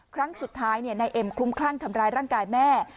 ครั้งสุดท้ายนายเอ็มคลุ้มคลั่งทำร้ายร่างกายแม่